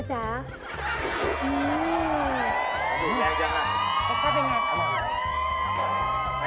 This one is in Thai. อ่ะขอจ๋า